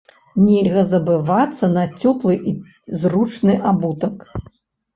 Нельга забывацца на цёплы і зручны абутак.